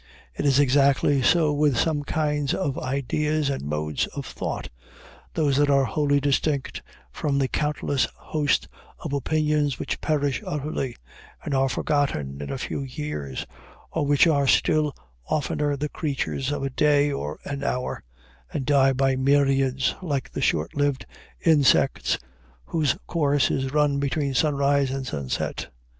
It is exactly so with some kinds of ideas and modes of thought, those that are wholly distinct from the countless host of opinions which perish utterly, and are forgotten in a few years, or which are still oftener the creatures of a day, or an hour, and die by myriads, like the short lived insects whose course is run between sunrise and sunset.